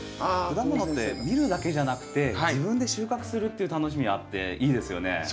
果物って見るだけじゃなくて自分で収穫するっていう楽しみあっていいですよね。